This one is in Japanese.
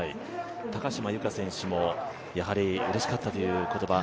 高島由香選手もやはりうれしかったという言葉。